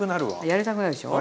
やりたくなるでしょ？